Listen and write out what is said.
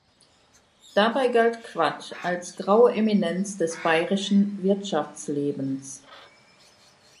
Dabei galt Quadt als „graue Eminenz“ des bayerischen Wirtschaftslebens.